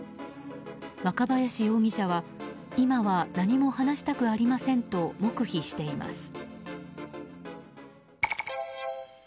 若林容疑者は今は何も話したくありませんと黙秘しています。